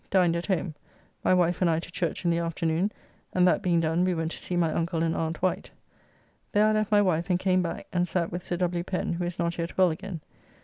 Dined at home. My wife and I to Church in the afternoon, and that being done we went to see my uncle and aunt Wight. There I left my wife and came back, and sat with Sir W. Pen, who is not yet well again.